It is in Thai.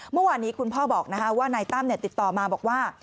เมื่อวานนี้คุณพ่อบอกว่านายตั้มติดต่อมาบอกว่า